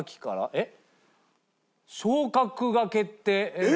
えっ？